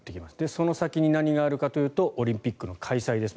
その先に何があるかというとオリンピックの開催です。